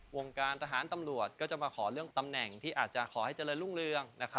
วงการทหารตำรวจก็จะมาขอเรื่องตำแหน่งที่อาจจะขอให้เจริญรุ่งเรือง